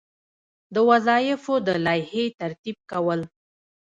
د وظایفو د لایحې ترتیب کول.